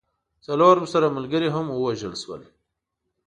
څلور ورسره ملګري هم ووژل سول.